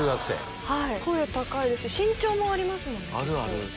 声高いですし身長もありますもんね結構。